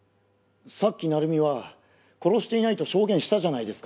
さっき成美は殺していないと証言したじゃないですか。